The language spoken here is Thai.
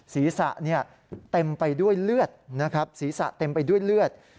ศีรษะเต็มไปด้วยเลือดนะครับศีรษะเต็มไปด้วยเลือด